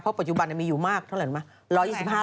เพราะปัจจุบันนั้นมีอยู่มากเท่าไหร่รึเปล่า